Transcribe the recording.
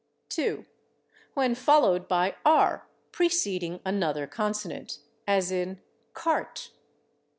2. when followed by /r/ preceding another consonant, as in /cart